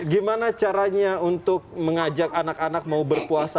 gimana caranya untuk mengajak anak anak mau berpuasa